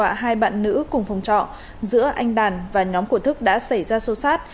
và hai bạn nữ cùng phòng trọ giữa anh đàn và nhóm của thức đã xảy ra sâu sát